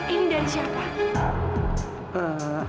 ini dari siapa